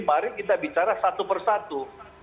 mari kita bicara satu persatu